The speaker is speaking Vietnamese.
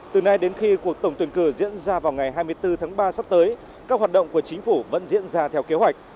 từ nay đến khi cuộc tổng tuyển cử diễn ra vào ngày hai mươi bốn tháng ba sắp tới các hoạt động của chính phủ vẫn diễn ra theo kế hoạch